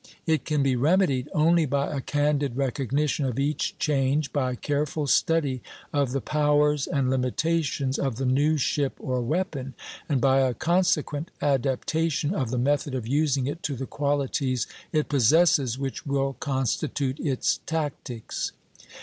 It can be remedied only by a candid recognition of each change, by careful study of the powers and limitations of the new ship or weapon, and by a consequent adaptation of the method of using it to the qualities it possesses, which will constitute its tactics.